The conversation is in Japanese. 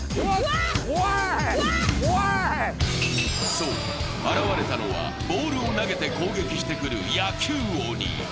そう、現れたのは、ボールを投げて攻撃してくる野球鬼。